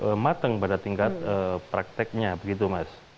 itu relatif matang pada tingkat prakteknya begitu mas